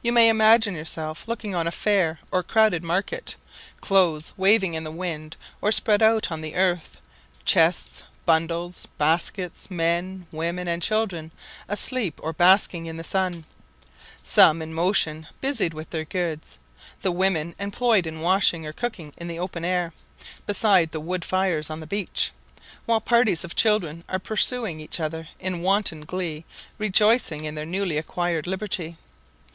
You may imagine yourself looking on a fair or crowded market, clothes waving in the wind or spread out on the earth, chests, bundles, baskets, men, women, and children, asleep or basking in the sun, some in motion busied with their goods, the women employed in washing or cooking in the open air, beside the wood fires on the beach; while parties of children are pursuing each other in wanton glee rejoicing in their newly acquired liberty.